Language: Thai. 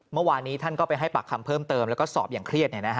เมื่อวานนี้ท่านก็ไปให้ปากคำเพิ่มเติมแล้วก็สอบอย่างเครียด